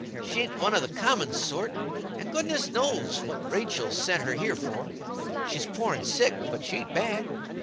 She ain't one of the common sort, and goodness only knows what Rachel sent her here for. She's poor and sick, but she ain't bad.